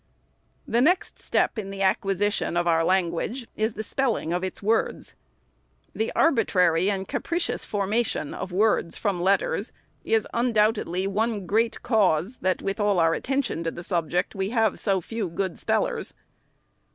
The next step in the acquisition of our language is the spelling of its words. The arbitrary and capricious for mation of words from letters, is, undoubtedly, one great cause, that, with all our attention to the subject, we have so few good spellers.